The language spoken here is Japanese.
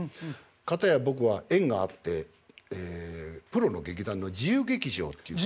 片や僕は縁があってプロの劇団の自由劇場っていう。